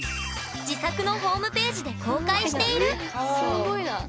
自作のホームページで公開しているすごいな。